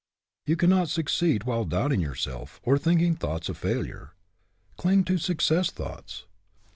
You cannot succeed while doubting yourself or thinking thoughts of failure. Cling to success thoughts.